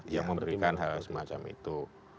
yang memberikan hal semacam itu